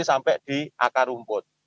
sampai di akar rumput